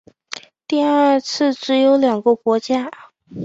第二次只有两个国家。